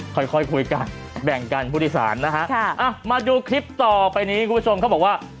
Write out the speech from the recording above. ค่อยคุยกันแบ่งกันพฤษศาลนะคะมาดูคลิปต่อไปนี้คุณผู้ชมก็บอกว่า